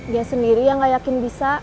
dia sendiri yang gak yakin bisa